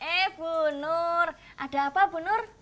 eh bu nur ada apa bu nur